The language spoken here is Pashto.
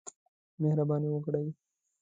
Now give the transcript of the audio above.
مهرباني وکړئ